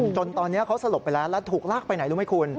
จนตอนนี้เขาสลบไปแล้วแล้วถูกลากไปไหนรู้ไหมคุณ